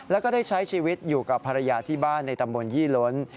แล้วก็ได้ใช้ชีวิตอยู่กับภรรยาที่บ้านในตำบลยี่ล้น